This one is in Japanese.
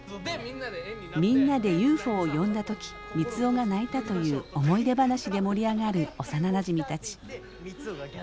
みんなでＵＦＯを呼んだ時三生が泣いたという思い出話で盛り上がる幼なじみたち。